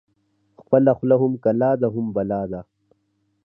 خپله خوله هم کلا ده هم بلا.